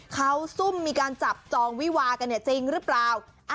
เขาซุ่มมีการจับจองวิวากันเนี่ยจริงหรือเปล่า